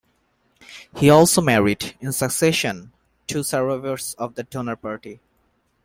He also married, in succession, two survivors of the Donner Party.